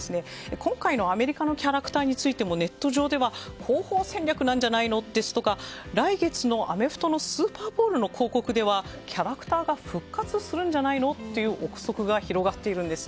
今回のアメリカのキャラクターについてもネット上では広報戦略なんじゃないの？ですとか来月のアメフトのスーパーボウルのキャラクターでは広告ではキャラクターが復活するんじゃないの？という憶測が広がっているんです。